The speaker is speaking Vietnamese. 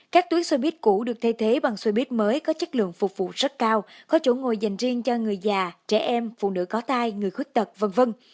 các tuyến xô buýt cũ được thay thế bằng xô buýt mới có chất lượng phục vụ rất cao có chỗ ngồi dành riêng cho người già trẻ em phụ nữ có tai người khuất tật v v